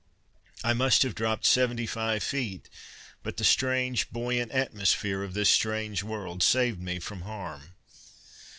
I must have dropped seventy five feet, but the strange buoyant atmosphere of this strange world saved me from harm.